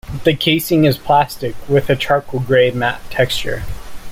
The casing is plastic, with a charcoal-gray matte texture.